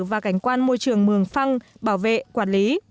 và cảnh quan môi trường mường phăng bảo vệ quản lý